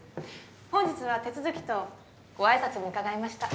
本日は手続きとご挨拶に伺いました。